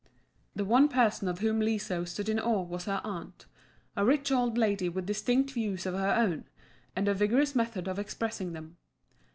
The one person of whom Liso stood in awe was her aunt, a rich old lady with distinct views of her own, and a vigorous method of expressing them.